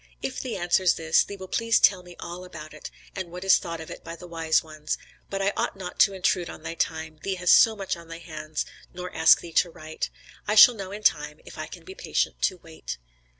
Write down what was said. If thee answers this, thee will please tell me all about it, and what is thought of it by the wise ones; but I ought not to intrude on thy time, thee has so much on thy hands, nor ask thee to write. I shall know in time, if I can be patient to wait.